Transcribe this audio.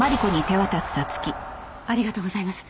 ありがとうございます。